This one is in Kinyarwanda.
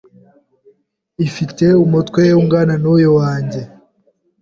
ifite umutwe ungana n’uyu wanjye